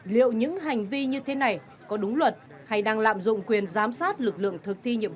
liệu những hành vi như thế này có đúng luật hay đang lạm dụng quyền giám sát lực lượng thực thi nhiệm vụ